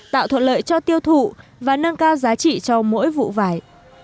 tạo thuận lợi cho tiêu thụ và nâng cao giá trị cho mỗi vụ vải